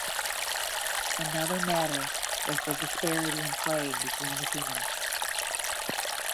Another matter was the disparity in play between the teams.